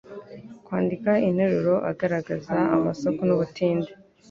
Kwandika interuro agaragaza amasaku n'ubutinde.